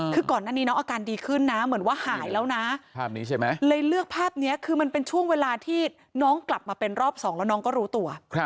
คือก่อนหน้านี้น้องอาการดีขึ้นนะเหมือนว่าหายแล้วนะภาพนี้ใช่ไหมเลยเลือกภาพนี้คือมันเป็นช่วงเวลาที่น้องกลับมาเป็นรอบสองแล้วน้องก็รู้ตัว